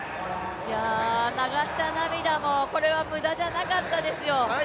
流した涙も無駄じゃなかったですよ。